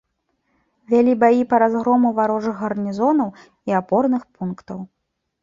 Вялі баі па разгрому варожых гарнізонаў і апорных пунктаў.